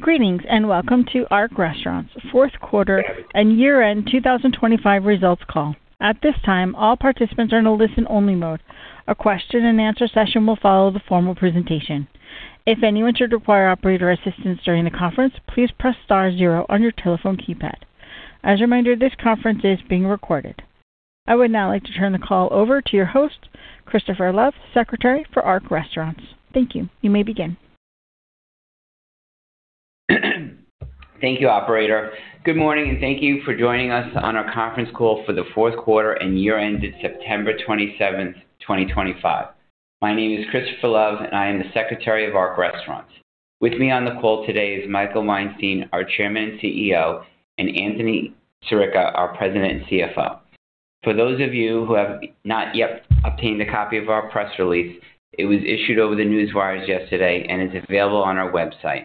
Greetings and welcome to Ark Restaurants' Fourth Quarter and Year-End 2025 Results Call. At this time, all participants are in a listen-only mode. A question-and-answer session will follow the formal presentation. If anyone should require operator assistance during the conference, please press star zero on your telephone keypad. As a reminder, this conference is being recorded. I would now like to turn the call over to your host, Christopher Love, Secretary for Ark Restaurants. Thank you. You may begin. Thank you, Operator. Good morning and thank you for joining us on our conference call for the fourth quarter and year-end date September 27th, 2025. My name is Christopher Love and I am the Secretary of Ark Restaurants. With me on the call today is Michael Weinstein, our Chairman and CEO, and Anthony Sirica, our President and CFO. For those of you who have not yet obtained a copy of our press release, it was issued over the news wires yesterday and is available on our website.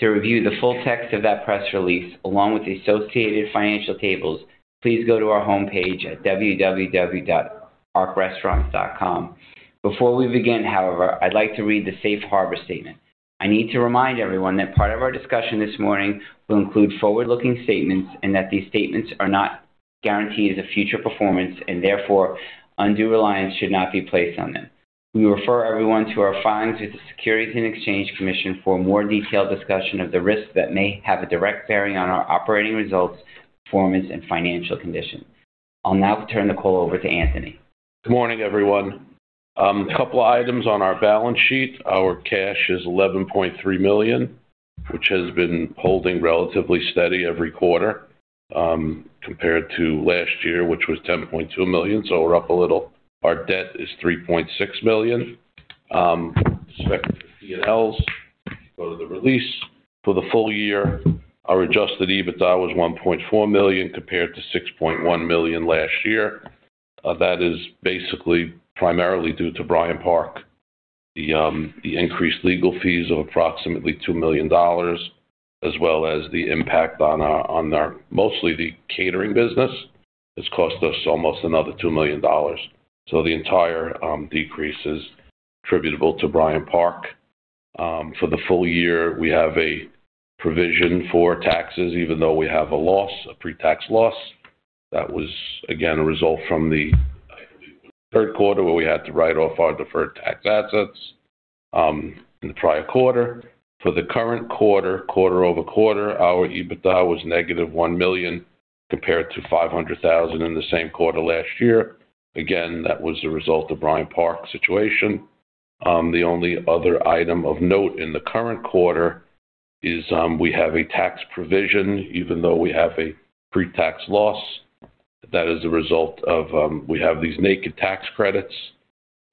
To review the full text of that press release along with the associated financial tables, please go to our homepage at www.arkrestaurants.com. Before we begin, however, I'd like to read the Safe Harbor Statement. I need to remind everyone that part of our discussion this morning will include forward-looking statements and that these statements are not guarantees of future performance and therefore undue reliance should not be placed on them. We refer everyone to our filings with the Securities and Exchange Commission for a more detailed discussion of the risks that may have a direct bearing on our operating results, performance, and financial condition. I'll now turn the call over to Anthony. Good morning, everyone. A couple of items on our balance sheet. Our cash is $11.3 million, which has been holding relatively steady every quarter compared to last year, which was $10.2 million, so we're up a little. Our debt is $3.6 million. Expected P&Ls, go to the release. For the full year, our adjusted EBITDA was $1.4 million compared to $6.1 million last year. That is basically primarily due to Bryant Park. The increased legal fees of approximately $2 million, as well as the impact on our mostly the catering business, has cost us almost another $2 million. So the entire decrease is attributable to Bryant Park. For the full year, we have a provision for taxes, even though we have a loss, a pre-tax loss. That was, again, a result from the third quarter where we had to write off our deferred tax assets in the prior quarter. For the current quarter, quarter-over-quarter, our EBITDA was -$1 million compared to $500,000 in the same quarter last year. Again, that was the result of Bryant Park's situation. The only other item of note in the current quarter is we have a tax provision, even though we have a pre-tax loss. That is the result of we have these naked tax credits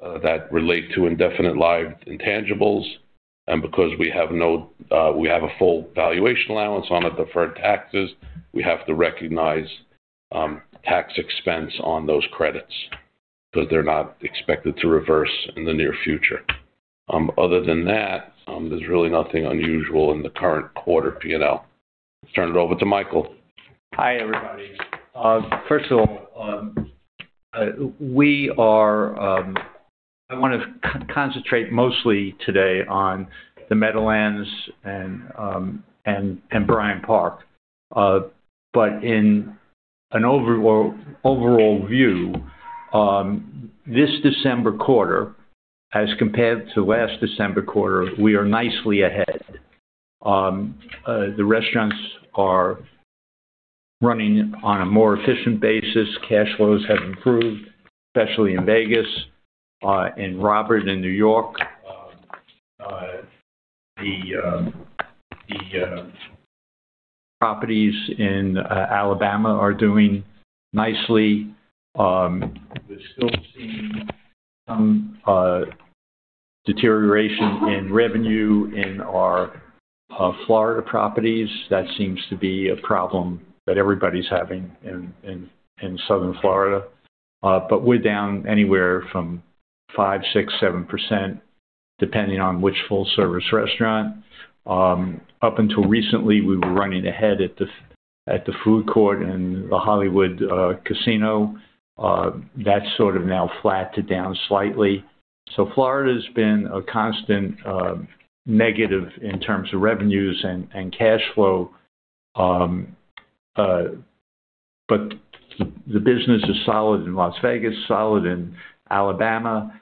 that relate to indefinite-lived intangibles. And because we have a full valuation allowance on our deferred taxes, we have to recognize tax expense on those credits because they're not expected to reverse in the near future. Other than that, there's really nothing unusual in the current quarter P&L. Let's turn it over to Michael. Hi, everybody. First of all, I want to concentrate mostly today on the Meadowlands and Bryant Park. But in an overall view, this December quarter, as compared to last December quarter, we are nicely ahead. The restaurants are running on a more efficient basis. Cash flows have improved, especially in Vegas, in Robert in New York, the properties in Alabama are doing nicely. We're still seeing some deterioration in revenue in our Florida properties. That seems to be a problem that everybody's having in Southern Florida. But we're down anywhere from 5%, 6%, 7%, depending on which full-service restaurant. Up until recently, we were running ahead at the food court and the Hollywood casino. That's sort of now flat to down slightly. So Florida has been a constant negative in terms of revenues and cash flow. But the business is solid in Las Vegas, solid in Alabama,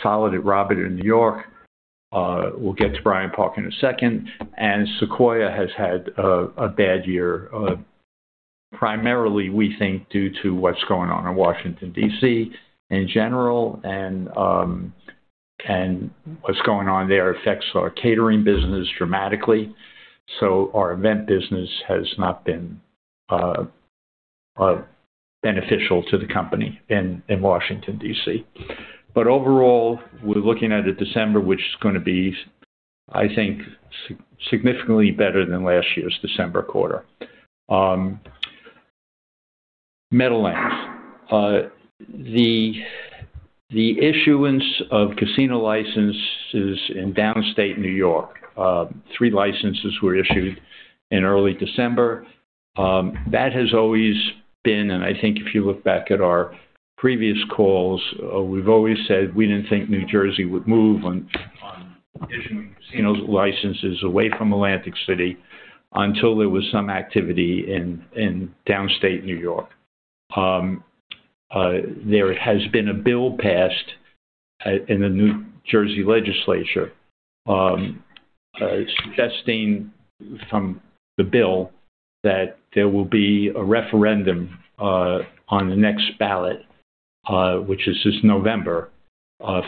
solid at Robert in New York. We'll get to Bryant Park in a second. And Sequoia has had a bad year, primarily, we think, due to what's going on in Washington, D.C. in general, and what's going on there affects our Catering business dramatically. So our event business has not been beneficial to the company in Washington, D.C. But overall, we're looking at a December which is going to be, I think, significantly better than last year's December quarter. Meadowlands. The issuance of casino licenses in downstate New York, three licenses were issued in early December. That has always been, and I think if you look back at our previous calls, we've always said we didn't think New Jersey would move on issuing casino licenses away from Atlantic City until there was some activity in downstate New York. There has been a bill passed in the New Jersey legislature suggesting from the bill that there will be a referendum on the next ballot, which is this November,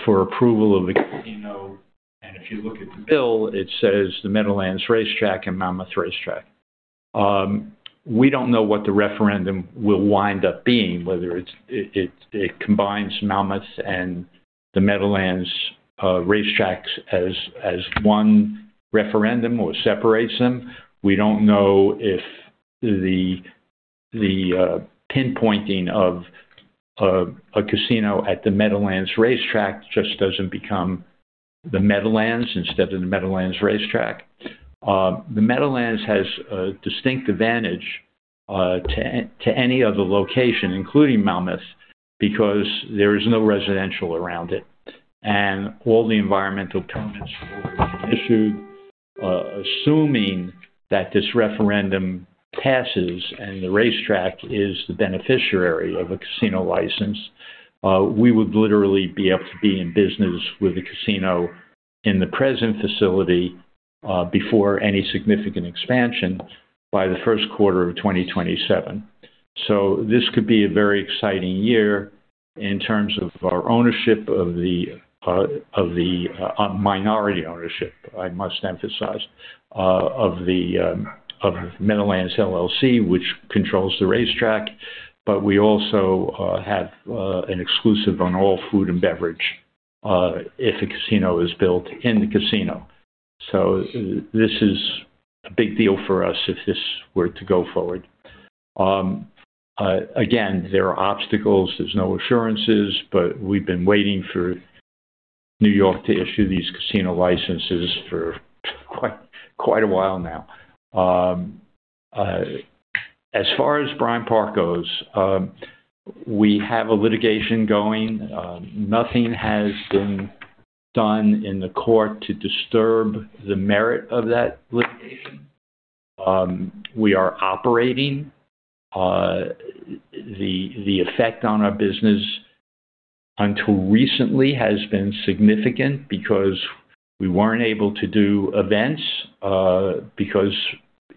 for approval of the casino, and if you look at the bill, it says the Meadowlands Racetrack and Monmouth Racetrack. We don't know what the referendum will wind up being, whether it combines Monmouth's and the Meadowlands Racetracks as one referendum or separates them. We don't know if the pinpointing of a casino at the Meadowlands Racetrack just doesn't become the Meadowlands instead of the Meadowlands Racetrack. The Meadowlands has a distinct advantage to any other location, including Monmouth, because there is no residential around it, and all the environmental permits were issued. Assuming that this referendum passes and the racetrack is the beneficiary of a casino license, we would literally be able to be in business with a casino in the present facility before any significant expansion by the first quarter of 2027, so this could be a very exciting year in terms of our ownership of the minority ownership, I must emphasize, of Meadowlands LLC, which controls the racetrack. But we also have an exclusive on all food and beverage if a casino is built in the casino, so this is a big deal for us if this were to go forward. Again, there are obstacles. There's no assurances, but we've been waiting for New York to issue these casino licenses for quite a while now. As far as Bryant Park goes, we have a litigation going. Nothing has been done in the court to disturb the merit of that litigation. We are operating. The effect on our business until recently has been significant because we weren't able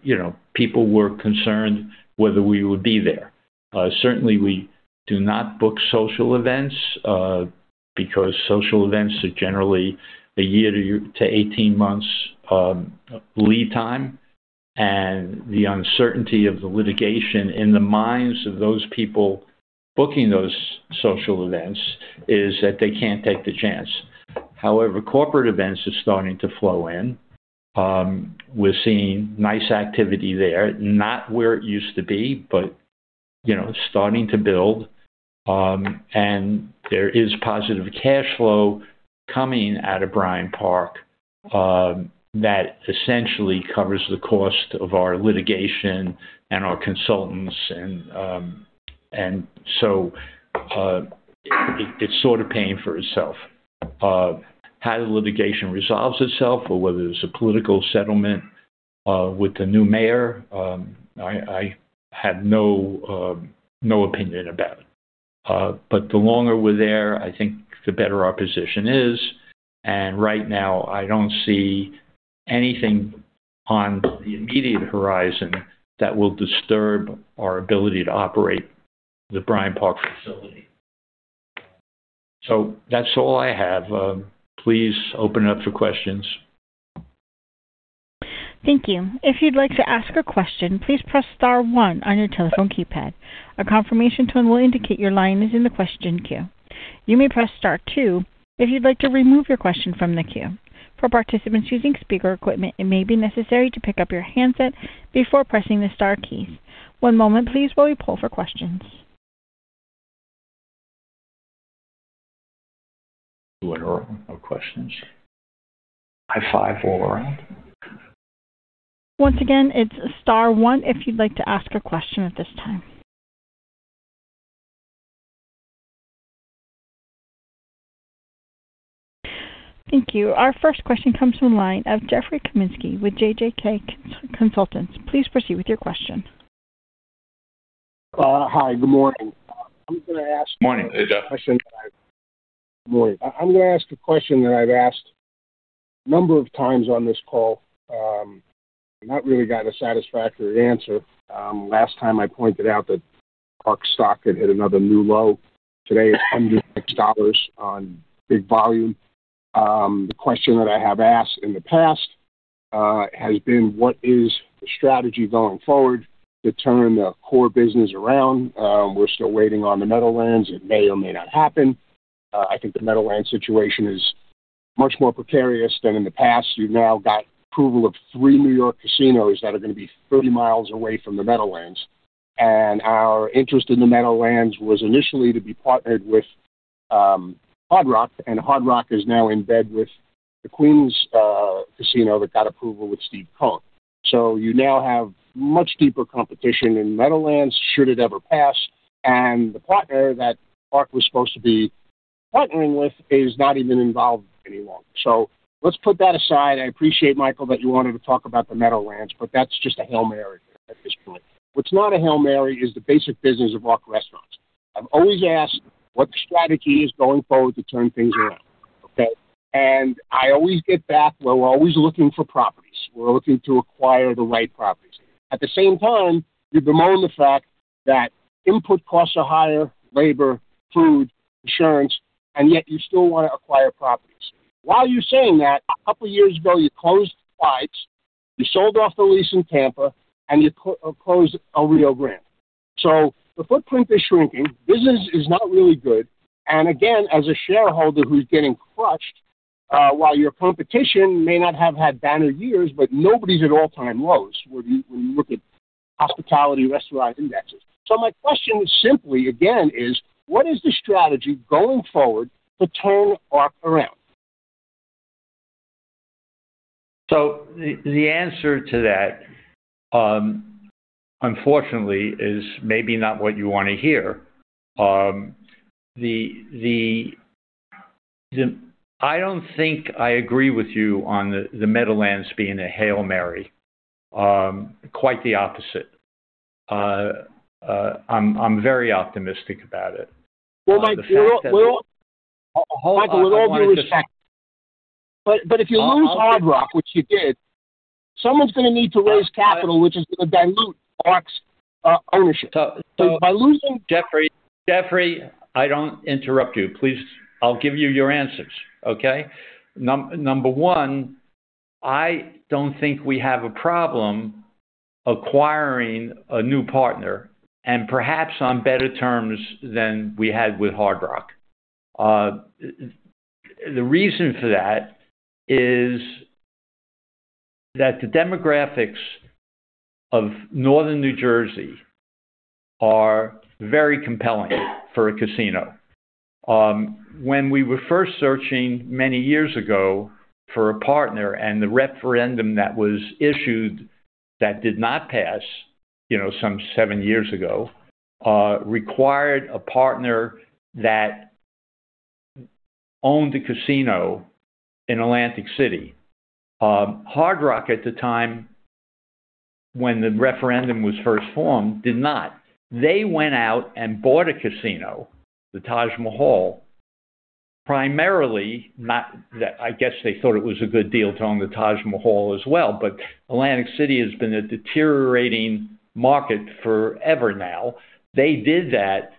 to do events because people were concerned whether we would be there. Certainly, we do not book social events because social events are generally a year to 18 months lead time. And the uncertainty of the litigation in the minds of those people booking those social events is that they can't take the chance. However, corporate events are starting to flow in. We're seeing nice activity there, not where it used to be, but starting to build. And there is positive cash flow coming out of Bryant Park that essentially covers the cost of our litigation and our consultants. And so it's sort of paying for itself. How the litigation resolves itself, or whether there's a political settlement with the new mayor, I have no opinion about. But the longer we're there, I think the better our position is. And right now, I don't see anything on the immediate horizon that will disturb our ability to operate the Bryant Park facility. So that's all I have. Please open up for questions. Thank you. If you'd like to ask a question, please press star one on your telephone keypad. A confirmation tone will indicate your line is in the question queue. You may press star two if you'd like to remove your question from the queue. For participants using speaker equipment, it may be necessary to pick up your handset before pressing the star keys. One moment, please, while we pull for questions. Do I have a question? I five all around. Once again, it's star one if you'd like to ask a question at this time. Thank you. Our first question comes from the line of Jeffrey Kaminsky with JJK Consultants. Please proceed with your question. Hi, good morning. I'm going to ask a question that I've asked. Good morning. I'm going to ask a question that I've asked a number of times on this call. I've not really gotten a satisfactory answer. Last time, I pointed out that Ark stock had hit another new low. Today, it's under $6 on big volume. The question that I have asked in the past has been, what is the strategy going forward to turn the core business around? We're still waiting on the Meadowlands. It may or may not happen. I think the Meadowlands situation is much more precarious than in the past. You've now got approval of three New York casinos that are going to be 30 miles away from the Meadowlands. And our interest in the Meadowlands was initially to be partnered with Hard Rock, and Hard Rock is now in bed with the Queens casino that got approval with Steve Cohen. So you now have much deeper competition in Meadowlands, should it ever pass. And the partner that Ark was supposed to be partnering with is not even involved any longer. So let's put that aside. I appreciate, Michael, that you wanted to talk about the Meadowlands, but that's just a Hail Mary at this point. What's not a Hail Mary is the basic business of Ark Restaurants. I've always asked what the strategy is going forward to turn things around, okay? And I always get back where we're always looking for properties. We're looking to acquire the right properties. At the same time, you bemoan the fact that input costs are higher, labor, food, insurance, and yet you still want to acquire properties. While you're saying that, a couple of years ago, you closed sites, you sold off the lease in Tampa, and you closed El Rio Grande. So the footprint is shrinking. Business is not really good. And again, as a shareholder who's getting crushed while your competition may not have had banner years, but nobody's at all-time lows when you look at Hospitality Restaurant Indexes. So my question simply, again, is, what is the strategy going forward to turn Ark around? So the answer to that, unfortunately, is maybe not what you want to hear. I don't think I agree with you on the Meadowlands being a Hail Mary. Quite the opposite. I'm very optimistic about it. Michael, with all due respect. If you lose Hard Rock, which you did, someone's going to need to raise capital, which is going to dilute Ark's ownership. By losing. Jeffrey, Jeffrey, I don't interrupt you. I'll give you your answers, okay? Number one, I don't think we have a problem acquiring a new partner, and perhaps on better terms than we had with Hard Rock. The reason for that is that the demographics of Northern New Jersey are very compelling for a casino. When we were first searching many years ago for a partner, and the referendum that was issued that did not pass some seven years ago required a partner that owned a casino in Atlantic City. Hard Rock, at the time when the referendum was first formed, did not. They went out and bought a casino, the Taj Mahal, primarily not that I guess they thought it was a good deal to own the Taj Mahal as well, but Atlantic City has been a deteriorating market forever now. They did that,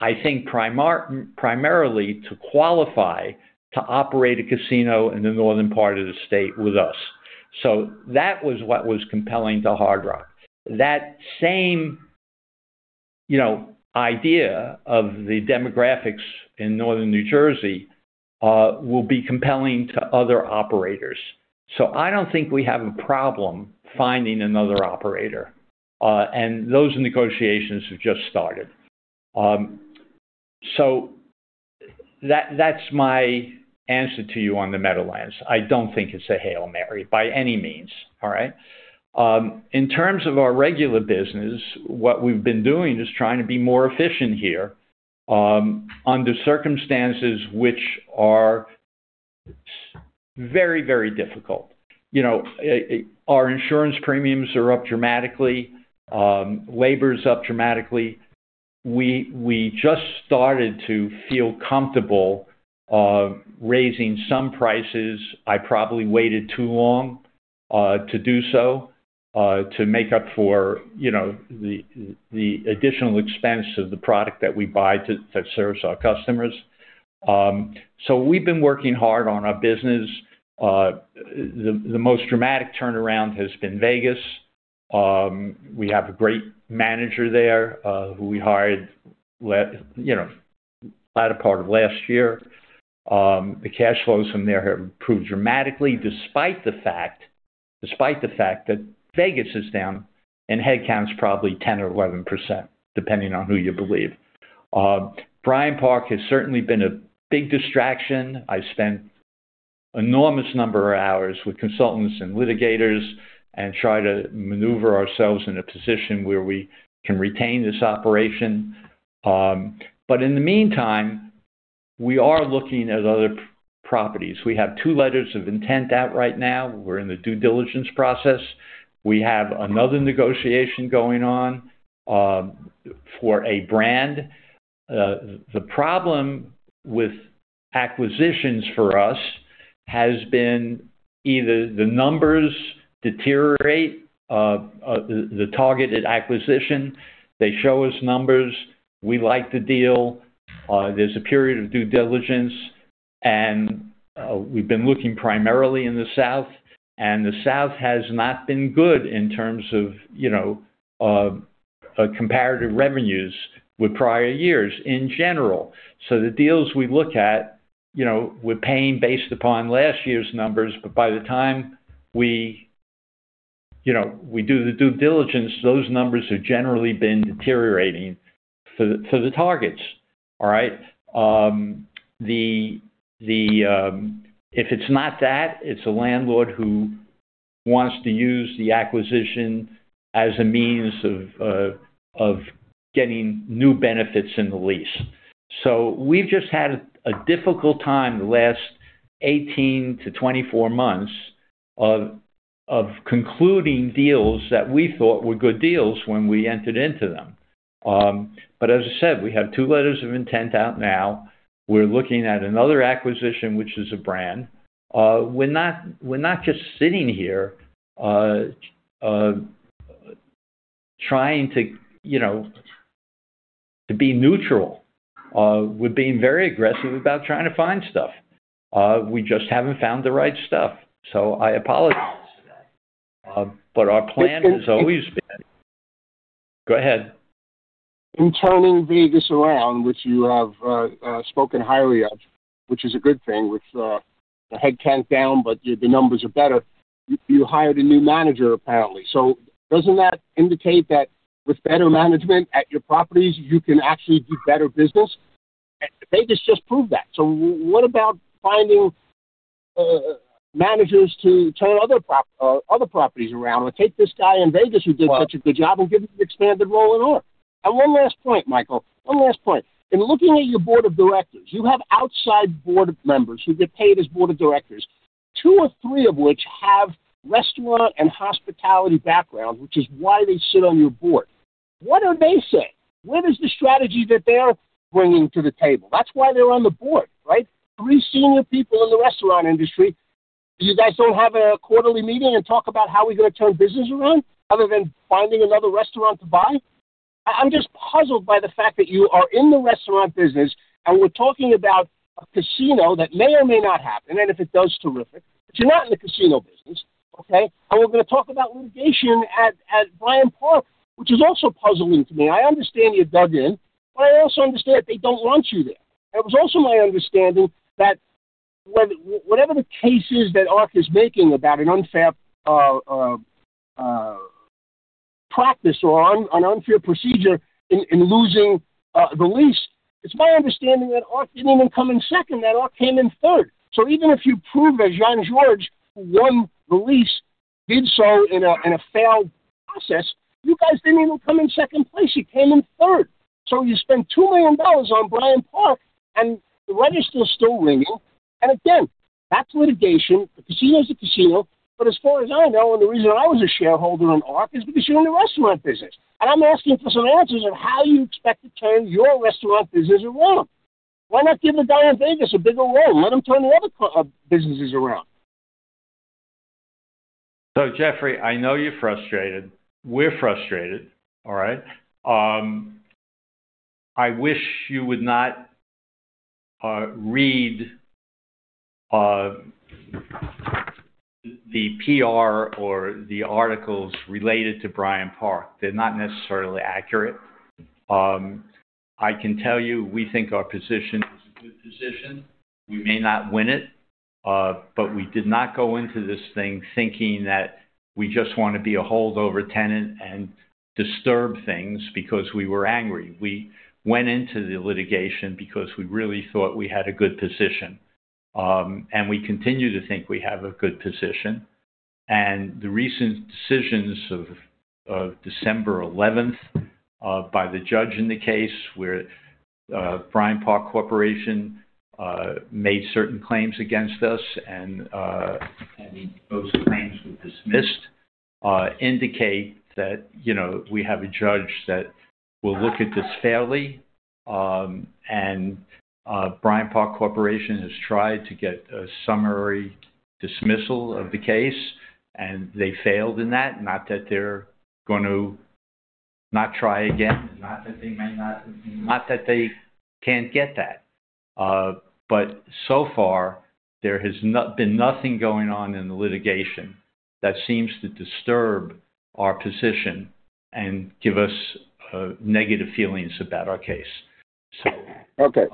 I think, primarily to qualify to operate a casino in the northern part of the state with us. So that was what was compelling to Hard Rock. That same idea of the demographics in Northern New Jersey will be compelling to other operators. So I don't think we have a problem finding another operator. And those negotiations have just started. So that's my answer to you on the Meadowlands. I don't think it's a Hail Mary by any means, all right? In terms of our regular business, what we've been doing is trying to be more efficient here under circumstances which are very, very difficult. Our insurance premiums are up dramatically. Labor's up dramatically. We just started to feel comfortable raising some prices. I probably waited too long to do so to make up for the additional expense of the product that we buy to serve our customers. So we've been working hard on our business. The most dramatic turnaround has been Vegas. We have a great manager there who we hired latter part of last year. The cash flows from there have improved dramatically despite the fact that Vegas is down and headcount's probably 10% or 11%, depending on who you believe. Bryant Park has certainly been a big distraction. I spent an enormous number of hours with consultants and litigators and tried to maneuver ourselves in a position where we can retain this operation. But in the meantime, we are looking at other properties. We have two letters of intent out right now. We're in the due diligence process. We have another negotiation going on for a brand. The problem with acquisitions for us has been either the numbers deteriorate for the targeted acquisition. They show us numbers. We like the deal. There's a period of due diligence. And we've been looking primarily in the South. And the South has not been good in terms of comparative revenues with prior years in general. So the deals we look at, we're paying based upon last year's numbers, but by the time we do the due diligence, those numbers have generally been deteriorating for the targets, all right? If it's not that, it's a landlord who wants to use the acquisition as a means of getting new benefits in the lease. So we've just had a difficult time the last 18-24 months of concluding deals that we thought were good deals when we entered into them, but as I said, we have two letters of intent out now. We're looking at another acquisition, which is a brand. We're not just sitting here trying to be neutral. We're being very aggressive about trying to find stuff. We just haven't found the right stuff. So I apologize for that. But our plan has always been. Go ahead. In turning Vegas around, which you have spoken highly of, which is a good thing with the headcount down, but the numbers are better, you hired a new manager, apparently. So doesn't that indicate that with better management at your properties, you can actually do better business? Vegas just proved that. So what about finding managers to turn other properties around or take this guy in Vegas who did such a good job and give him an expanded role in Ark? And one last point, Michael. One last point. In looking at your Board of Directors, you have outside Board members who get paid as Board of Directors, two or three of which have restaurant and hospitality backgrounds, which is why they sit on your Board. What do they say? Where is the strategy that they're bringing to the table? That's why they're on the Board, right? Three senior people in the restaurant industry. You guys don't have a quarterly meeting and talk about how we're going to turn business around other than finding another restaurant to buy? I'm just puzzled by the fact that you are in the restaurant business and we're talking about a casino that may or may not happen, and if it does, terrific. But you're not in the casino business, okay? We're going to talk about litigation at Bryant Park, which is also puzzling to me. I understand you're dug in, but I also understand they don't want you there. It was also my understanding that whatever the case is that Ark is making about an unfair practice or an unfair procedure in losing the lease, it's my understanding that Ark didn't even come in second, that Ark came in third. So even if you prove that Jean-Georges won the lease, did so in a failed process, you guys didn't even come in second place, you came in third. So you spent $2 million on Bryant Park, and the register is still ringing. And again, that's litigation. The casino's a casino, but as far as I know, and the reason I was a shareholder in Ark is because you're in the restaurant business. And I'm asking for some answers of how you expect to turn your restaurant business around. Why not give the guy in Vegas a bigger role? Let him turn the other businesses around. So Jeffrey, I know you're frustrated. We're frustrated, all right? I wish you would not read the PR or the articles related to Bryant Park. They're not necessarily accurate. I can tell you we think our position is a good position. We may not win it, but we did not go into this thing thinking that we just want to be a holdover tenant and disturb things because we were angry. We went into the litigation because we really thought we had a good position. And we continue to think we have a good position. And the recent decisions of December 11th by the Judge in the case where Bryant Park Corporation made certain claims against us and those claims were dismissed indicate that we have a Judge that will look at this fairly. And Bryant Park Corporation has tried to get a summary dismissal of the case, and they failed in that. Not that they're going to not try again, not that they may not, not that they can't get that. But so far, there has been nothing going on in the litigation that seems to disturb our position and give us negative feelings about our case. Okay.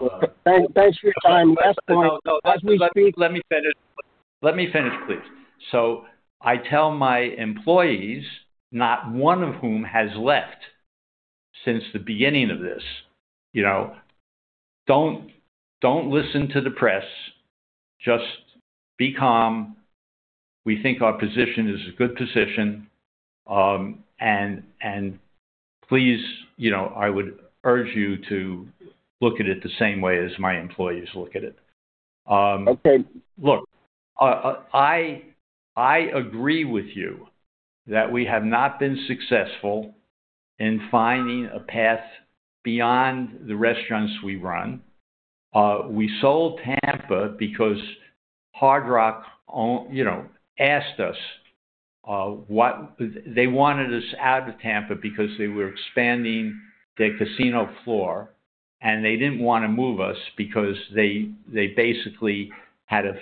Thanks for your time. Last point. As we speak. Let me finish. Let me finish, please. So I tell my employees, not one of whom has left since the beginning of this. Don't listen to the press, just be calm. We think our position is a good position. And please, I would urge you to look at it the same way as my employees look at it. Okay. Look, I agree with you that we have not been successful in finding a path beyond the restaurants we run. We sold Tampa because Hard Rock asked us. They wanted us out of Tampa because they were expanding their casino floor, and they didn't want to move us because they basically had a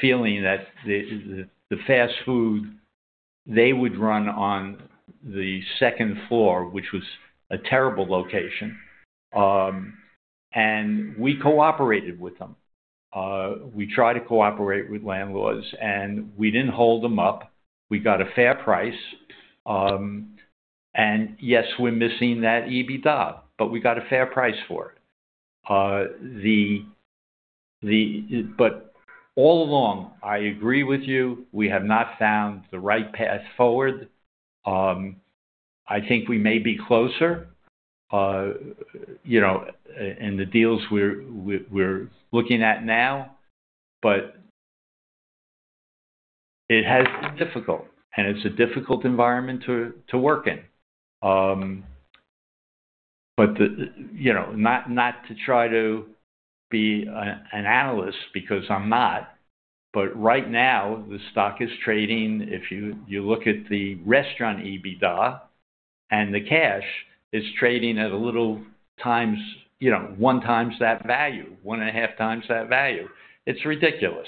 feeling that the fast food, they would run on the second floor, which was a terrible location, and we cooperated with them. We tried to cooperate with landlords, and we didn't hold them up. We got a fair price, and yes, we're missing that EBITDA, but we got a fair price for it, but all along, I agree with you. We have not found the right path forward. I think we may be closer in the deals we're looking at now, but it has been difficult, and it's a difficult environment to work in. But not to try to be an analyst because I'm not, but right now, the stock is trading. If you look at the restaurant EBITDA and the cash, it's trading at a little times, 1x that value, one and a half times that value. It's ridiculous.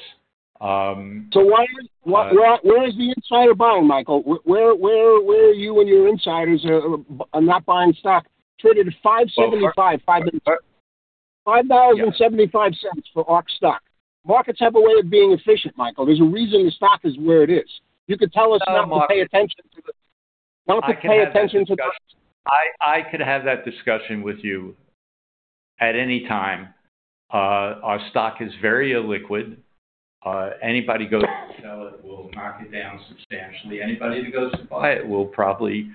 So where is the insider buying, Michael? Where are you and your insiders not buying stock? Traded at $5.75, $5.75 for Ark stock. Markets have a way of being efficient, Michael. There's a reason the stock is where it is. You could tell us not to pay attention to the. I could have that discussion with you at any time. Our stock is very illiquid. Anybody goes to sell it will knock it down substantially. Anybody that goes to buy it will probably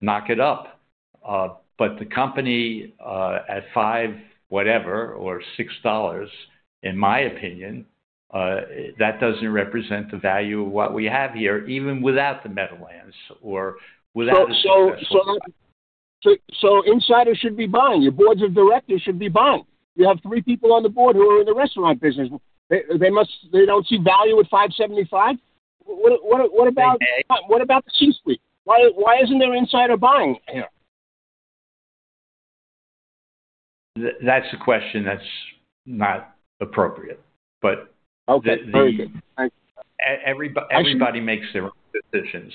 knock it up. But the company at five whatever or $6, in my opinion, that doesn't represent the value of what we have here, even without the Meadowlands or without. So insiders should be buying. Your Boards of Directors should be buying. You have three people on the Board who are in the restaurant business. They don't see value at $5.75? What about the C-suite? Why isn't there insider buying here? That's a question that's not appropriate, but. Okay. Very good. Everybody makes their own decisions.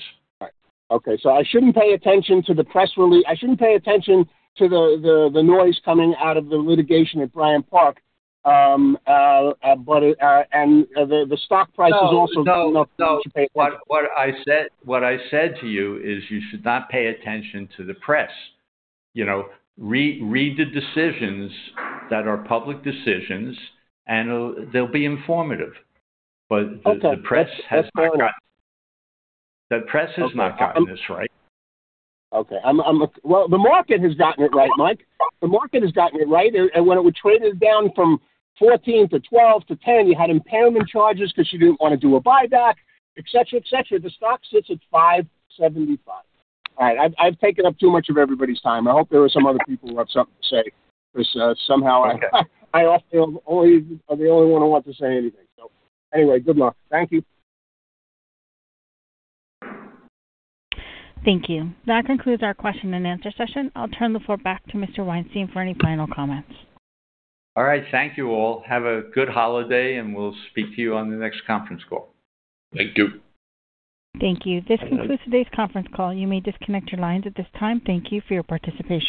Okay. So I shouldn't pay attention to the press release. I shouldn't pay attention to the noise coming out of the litigation at Bryant Park, and the stock price is also not. What I said to you is you should not pay attention to the press. Read the decisions that are public decisions, and they'll be informative. But the press has not. Okay. That's fair. The press has not gotten this right. Okay, well, the market has gotten it right, Mike. The market has gotten it right, and when it was traded down from $14 to $12 to $10, you had impairment charges because you didn't want to do a buyback, etc., etc. The stock sits at $5.75. All right. I've taken up too much of everybody's time. I hope there were some other people who have something to say because somehow I often only are the only one who wants to say anything, so anyway, good luck. Thank you. Thank you. That concludes our question and answer session. I'll turn the floor back to Mr. Weinstein for any final comments. All right. Thank you all. Have a good holiday, and we'll speak to you on the next conference call. Thank you. Thank you. This concludes today's conference call. You may disconnect your lines at this time. Thank you for your participation.